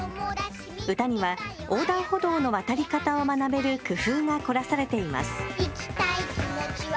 歌には横断歩道での渡り方を学ぶ工夫が凝らされています。